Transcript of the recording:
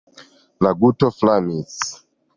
La guto flamis.